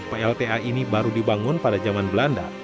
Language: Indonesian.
plta ini baru dibangun pada zaman belanda